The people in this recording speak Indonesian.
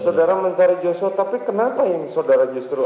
saudara mencari joshua tapi kenapa yang saudara justru